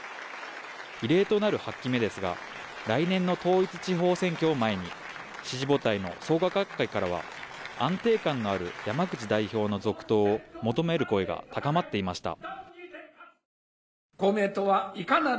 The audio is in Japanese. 異例となる８期目ですが、来年の統一地方選挙を前に支持母体の創価学会からは安定感のある山口代表の続投を求める声が高まっていました。